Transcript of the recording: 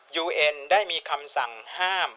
ยูเอ็นได้มีคำสั่งห้าม